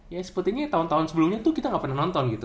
ya sepertinya tahun tahun sebelumnya tuh kita gak pernah nonton gitu